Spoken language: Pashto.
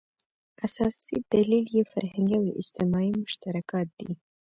اساسي دلیل یې فرهنګي او اجتماعي مشترکات دي.